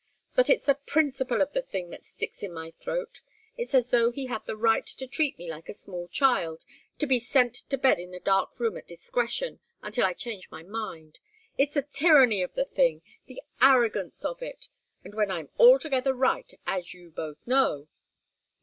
But it's the principle of the thing that sticks in my throat. It's as though he had the right to treat me like a small child, to be sent to bed in a dark room at discretion, until I change my mind. It's the tyranny of the thing, the arrogance of it and when I'm altogether right, as you both know."